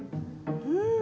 うん。